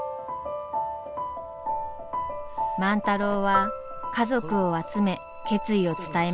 万太郎は家族を集め決意を伝えます。